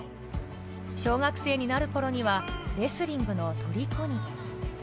小学生になる頃にはレスリングのとりこに。